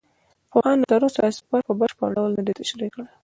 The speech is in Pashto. پوهانو تر اوسه دا سفر په بشپړ ډول نه دی تشریح کړی.